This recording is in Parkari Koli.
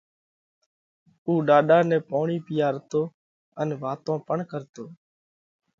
اُو ڏاڏا نئہ پوڻِي پِيئارتو ان واتون پڻ ڪرتو۔